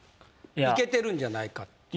いけてるんじゃないかっていう。